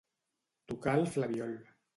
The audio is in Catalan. Tocar el flabiol.